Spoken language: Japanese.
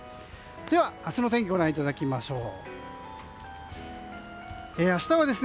では明日の天気ご覧いただきましょう。